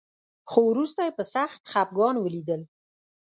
خو وروسته يې په سخت خپګان وليدل.